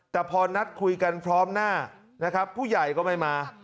แต่พอนัดคุยกันพร้อมหน้านะครับผู้ใหญ่ก็ไม่มา